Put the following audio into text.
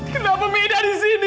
kenapa minda disini